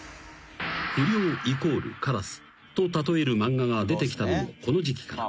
［不良イコールカラスと例える漫画が出てきたのもこの時期から］